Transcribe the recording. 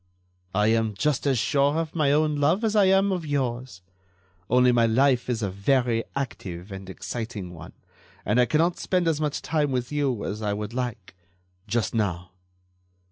"I am just as sure of my own love as I am of yours. Only my life is a very active and exciting one, and I cannot spend as much time with you as I would like—just now."